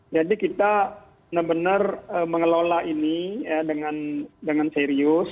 jadi kita benar benar mengelola ini dengan serius